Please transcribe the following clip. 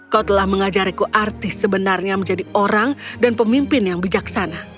kau telah mengajariku artis sebenarnya menjadi orang dan pemimpin yang bijaksana